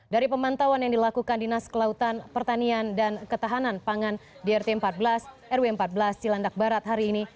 dari pemantauan yang dilakukan dinas kelautan pertanian dan ketahanan pangan di rt empat belas rw empat belas cilandak barat hari ini